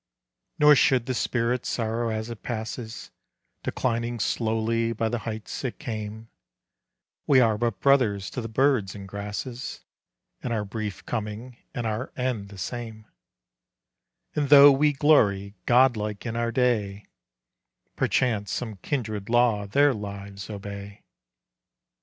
Nor should the spirit sorrow as it passes, Declining slowly by the heights it came; We are but brothers to the birds and grasses, In our brief coming and our end the same: And though we glory, god like in our day, Perchance some kindred law their lives obey.